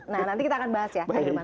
nah nanti kita akan bahas ya